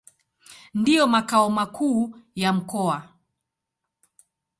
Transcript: Ndio makao makuu ya mkoa.